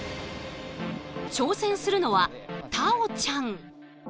挑戦するのは太鳳ちゃん。